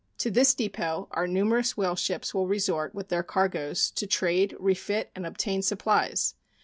To this depot our numerous whale ships will resort with their cargoes to trade, refit, and obtain supplies.